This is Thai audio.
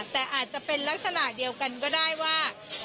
แต่อาจจะเป็นลักษณะเดียวกันก็ได้ว่า